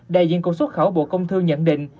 đại diện cục xuất khẩu bộ công thương nhận định